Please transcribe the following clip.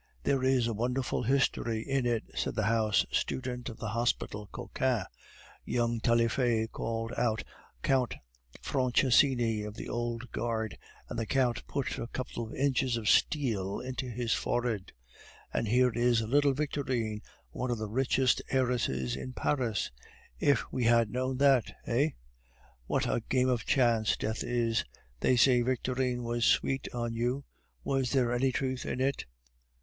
"There is a wonderful history in it," said the house student of the Hopital Cochin. "Young Taillefer called out Count Franchessini, of the Old Guard, and the Count put a couple of inches of steel into his forehead. And here is little Victorine one of the richest heiresses in Paris! If we had known that, eh? What a game of chance death is! They say Victorine was sweet on you; was there any truth in it?"